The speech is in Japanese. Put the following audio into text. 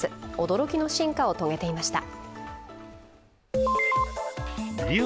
驚きの進化を遂げていました。